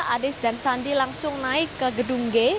anies dan sandi langsung naik ke gedung g